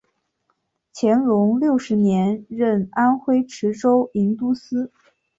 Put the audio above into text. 乾隆六十年任安徽池州营都司。